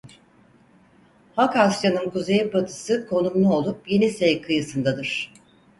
Hakasya'nın kuzeybatısı konumlu olup Yenisey kıyısındadır.